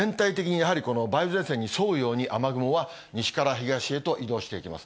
全体的にやはりこの梅雨前線に沿うように、雨雲が西から東へと移動していきます。